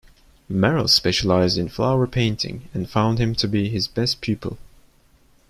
Marrel specialized in flower painting, and found him to be his best pupil.